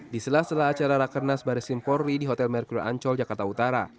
di sela sela acara rakernas bares krimpori di hotel merkul ancol jakarta utara